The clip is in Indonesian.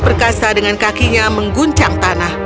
perkasa dengan kakinya mengguncang tanah